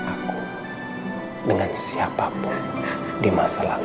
jangan pernah samakan aku dengan siapapun di masa lalu kamu